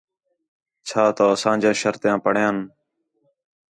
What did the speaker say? چھا تَؤ اَساں جیاں شرطیاں پڑھئین؟